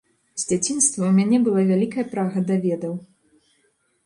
З дзяцінства ў мяне была вялікая прага да ведаў.